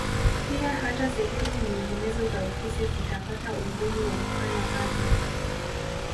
Pia hata sehemu nyinginezo za ofisi zitapata ugumu wa kufanya kazi